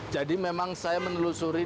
jadi memang saya menelusuri